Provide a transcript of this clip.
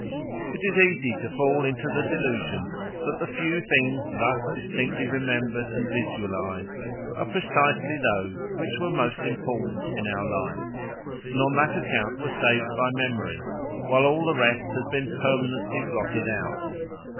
It is easy to fall into the delusion that the few things thus distinctly remembered and visualized are precisely those which were most important in our life, and on that account were saved by memory while all the rest has been permanently blotted out.